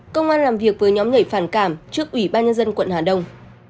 công an làm việc với nhóm nhảy phản cảm trước ủy ban nhân dân quận hà đông